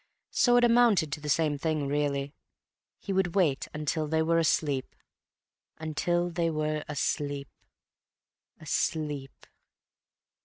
So it amounted to the same thing, really. He would wait until they were asleep.... until they were asleep.... asleep....